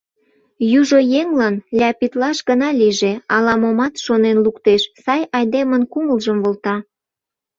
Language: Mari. — Южо еҥлан ляпитлаш гына лийже, ала-момат шонен луктеш, сай айдемын кумылжым волта...